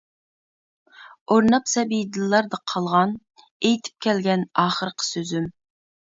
ئورناپ سەبىي دىللاردا قالغان، ئېيتىپ كەلگەن ئاخىرقى سۆزۈم.